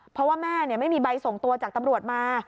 เพราะว่าแม่ไม่มีใบส่งตัวจากตำรวจมา